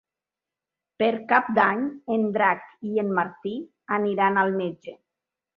Per Cap d'Any en Drac i en Martí iran al metge.